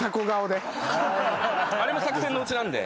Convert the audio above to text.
あれも作戦のうちなんで。